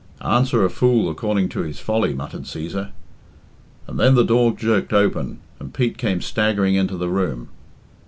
"Answer a fool according to his folly," muttered Cæsar; and then the door jerked open, and Pete came staggering into the room.